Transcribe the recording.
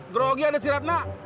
grogi ada si ratna